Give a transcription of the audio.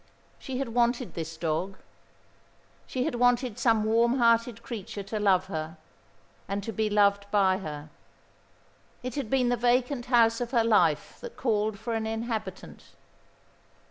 She had wanted this dog. She had wanted some warm hearted creature to love her, and to be loved by her. It had been the vacant house of her life that called for an inhabitant.